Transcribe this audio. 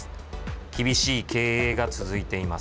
厳しい経営が続いています。